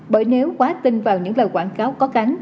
bởi nếu quá tin vào những lời quảng cáo có cắn